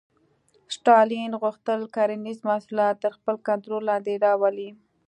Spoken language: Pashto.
ستالین غوښتل کرنیز محصولات تر خپل کنټرول لاندې راولي